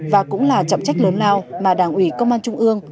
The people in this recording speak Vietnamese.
và cũng là trọng trách lớn lao mà đảng ủy công an trung ương